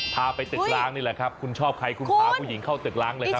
พาไปตึกล้างนี่แหละครับคุณชอบใครคุณพาผู้หญิงเข้าตึกล้างเลยครับ